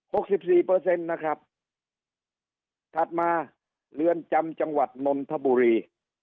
สิบสี่เปอร์เซ็นต์นะครับถัดมาเรือนจำจังหวัดนนทบุรี